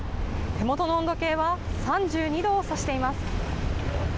手元の温度計は３２度を指しています。